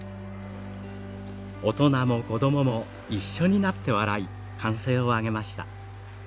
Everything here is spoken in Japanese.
大人も子供も一緒になって笑い歓声を上げました。